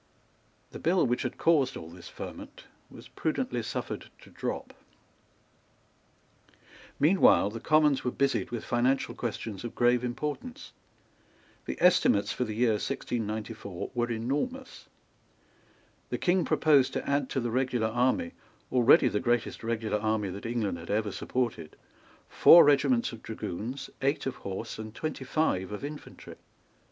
The bill which had caused all this ferment was prudently suffered to drop. Meanwhile the Commons were busied with financial questions of grave importance. The estimates for the year 1694 were enormous. The King proposed to add to the regular army, already the greatest regular army that England had ever supported, four regiments of dragoons, eight of horse, and twenty five of infantry.